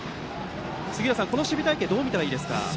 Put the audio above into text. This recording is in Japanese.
杉浦さん、この守備隊形どう見たらいいですか。